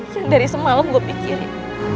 yang dari semalam gue pikirin